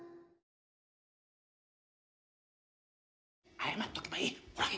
謝っとけばいい。